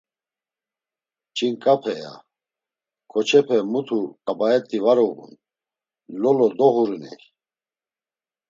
“Ç̌inǩape!” ya; “Ǩoçepe, mutu ǩabet̆i na var uğun Lolo doğuriney.”